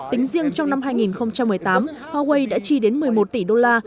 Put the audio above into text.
tính riêng trong năm hai nghìn một mươi tám huawei đã chi đến một mươi một tỷ đô la